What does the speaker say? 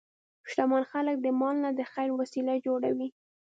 شتمن خلک د مال نه د خیر وسیله جوړوي.